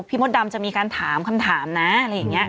มดดำจะมีการถามคำถามนะอะไรอย่างนี้